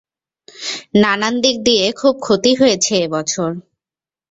নানান দিক দিয়ে খুব ক্ষতি হয়েছে এবছর।